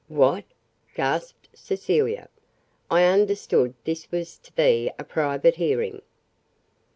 "What!" gasped Cecilia. "I understood this was to be a private hearing."